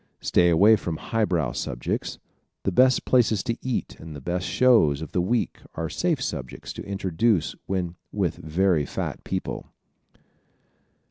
Stay away from highbrow subjects. The best places to eat and the best shows of the week are safe subjects to introduce when with very fat people.